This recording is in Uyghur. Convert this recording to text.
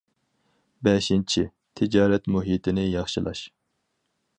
بەشىنچى، تىجارەت مۇھىتىنى ياخشىلاش.